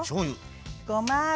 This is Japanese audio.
ごま油。